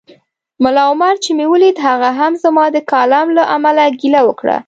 ملا عمر چي مې ولید هغه هم زما د کالم له امله ګیله وکړه